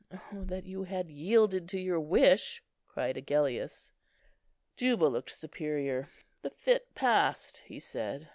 "Oh that you had yielded to your wish!" cried Agellius. Juba looked superior. "The fit passed," he said.